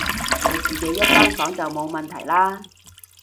有自己一間房就冇問題啦